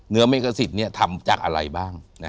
เนื้อเมกะสิทธิ์เนี่ยทำจากอะไรบ้าง